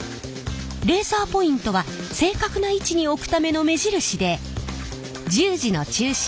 レーザーポイントは正確な位置に置くための目印で十字の中心に手袋の中心を合わせます。